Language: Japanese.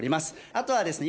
あとはですね